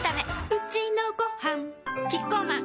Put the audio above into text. うちのごはんキッコーマン